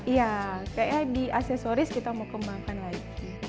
iya kayaknya di aksesoris kita mau kembangkan lagi